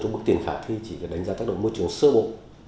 trong mức tiền khả thi chỉ là đánh giá tác động môi trường sơ bộ